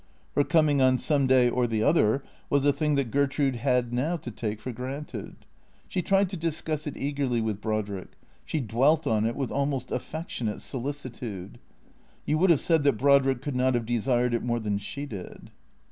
Her coming on some day or the other was a thing that Gertrude had now to take for granted. She tried to discuss it THECEEATORS 257 eagerly with Brodrick; she dwelt on it with almost affectionate solicitude; you would have said that Brodrick could not have desired it more than she did.